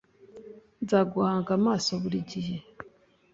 nzaguhanga amaso buri gihe